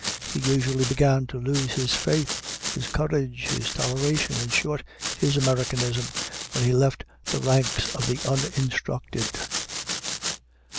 He usually began to lose his faith, his courage, his toleration, in short, his Americanism, when he left the ranks of the uninstructed.